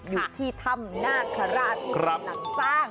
อยู่ที่ถ้ำนาคาราชที่เป็นหนังสร้าง